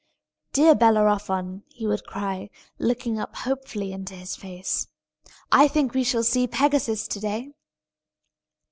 "Dear Bellerophon," he would cry, looking up hopefully into his face, "I think we shall see Pegasus to day!"